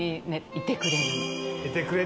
いてくれて。